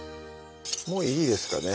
もういいですかね？